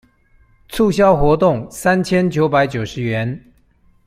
促銷活動三千九百九十元